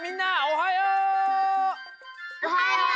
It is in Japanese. おはよう！